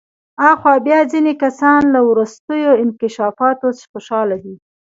آخوا بیا ځینې کسان له وروستیو انکشافاتو خوشحاله دي.